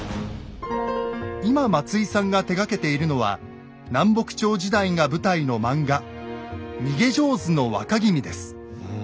今松井さんが手がけているのは南北朝時代が舞台の漫画「逃げ上手の若君」です。